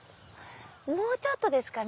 もうちょっとですかね。